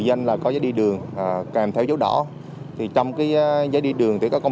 đây là điều không ai mong muốn